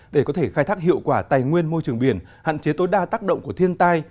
để có thể khai thác hiệu quả tài nguyên môi trường biển hạn chế tối đa tác động của thiên tai